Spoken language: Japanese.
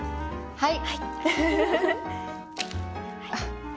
はい。